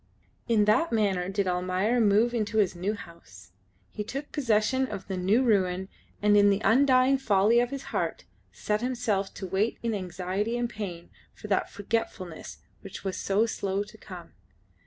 In that manner did Almayer move into his new house. He took possession of the new ruin, and in the undying folly of his heart set himself to wait in anxiety and pain for that forgetfulness which was so slow to come.